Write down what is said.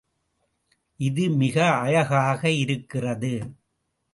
இது மிக அழகாக இருக்கிறது.